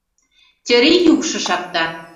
Тьыри юкшы шакта.